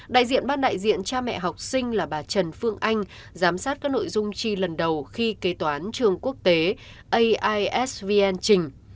đại diện ban đại diện cha mẹ học sinh là bà trần phương anh giám sát các nội dung chi lần đầu khi kế toán trường quốc tế aisvn trình